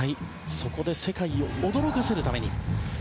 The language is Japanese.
そこで世界を驚かせるために。